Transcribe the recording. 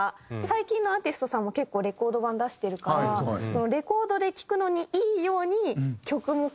最近のアーティストさんも結構レコード盤出してるからレコードで聴くのにいいように曲も変わっていくのかななんて。